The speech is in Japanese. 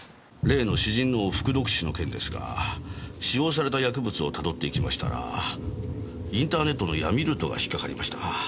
例の詩人の服毒死の件ですが使用された薬物をたどっていきましたらインターネットの闇ルートが引っかかりました。